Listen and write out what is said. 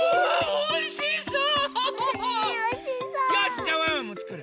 おいしそう！